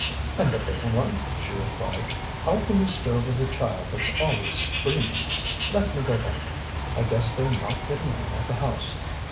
"And the little one?" she replied. "How can one stir with a child that's always screaming? Let me go back, I guess they're not getting on at the house."